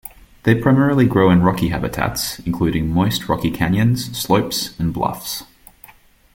They primarily grow in rocky habitats, including moist rocky canyons, slopes, and bluffs.